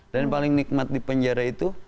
dan paling nikmat di penjara itu